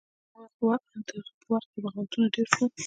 د هغه په وخت کې بغاوتونه ډیر شول.